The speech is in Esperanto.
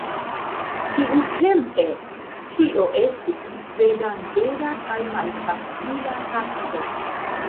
Tiutempe tio estis tre danĝera kaj malfacila tasko.